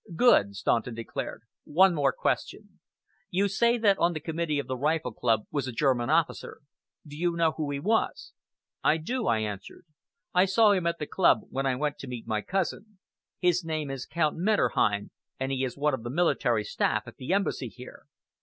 "Good!" Staunton declared. "One more question. You say that on the committee of the Rifle Club was a German officer. Do you know who he was?" "I do," I answered. "I saw him at the club when I went to meet my cousin. His name is Count Metterheim, and he is on the military staff at the Embassy here."